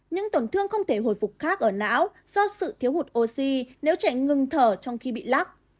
những tổn thương không thể hồi phục khác ở não do sự thiếu hụt oxy nếu chạy ngừng thở trong khi bị lắc